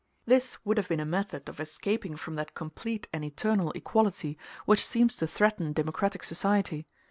This would have been a method of escaping from that complete and eternal equality which seems to threaten democratic society.